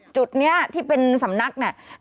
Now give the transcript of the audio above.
จุดนี้ที่เป็นสำนักเนี่ย